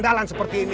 ya gue seneng